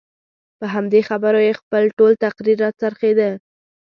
په همدې خبرو یې خپل ټول تقریر راڅرخېده.